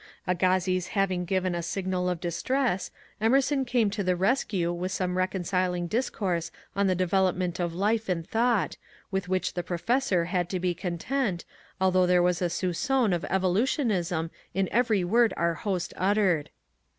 Agassiz having given a signal of distress, Emerson came to the rescue with some reconciling discourse on the development of life and thought, with which the professor had to be content, although there was a soup^on of Evolu tionism m every word our host uttered.